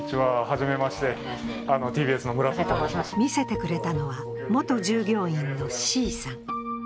見せてくれたのは元従業員のＣさん